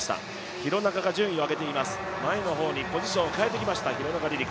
廣中が順位を上げています、前の方にポジションを上げてきました。